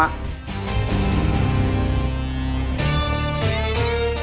aku mau balik